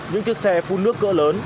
những chiếc xe phun nước cỡ lớn